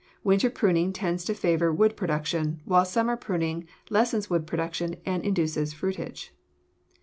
Winter pruning tends to favor wood production, while summer pruning lessens wood production and induces fruitage.